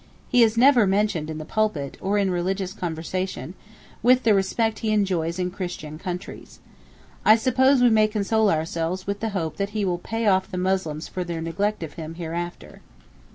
He is never mentioned in the pulpit, or in religious conversation, with the respect he enjoys in Christian countries. I suppose we may console ourselves with the hope that he will pay off the Muslims for their neglect of him hereafter.